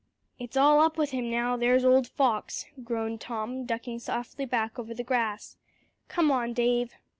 "It's all up with him now; there's old Fox," groaned Tom, ducking softly back over the grass. "Come on, Dave."